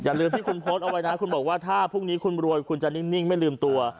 ลืมที่คุณโพสต์เอาไว้นะคุณบอกว่าถ้าพรุ่งนี้คุณรวยคุณจะนิ่งไม่ลืมตัว